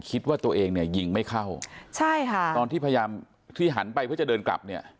คิดว่าตัวเองเนี่ยยิงไม่เข้าใช่ค่ะตอนที่พยายามที่หันไปเพื่อจะเดินกลับเนี่ย